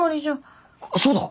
そうだ！